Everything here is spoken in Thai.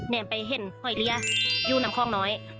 เน่มไปเห็นหอยเหลียยู่นำของน้อย